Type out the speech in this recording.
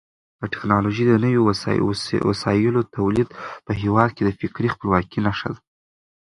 د ټکنالوژۍ د نویو وسایلو تولید په هېواد کې د فکري خپلواکۍ نښه ده.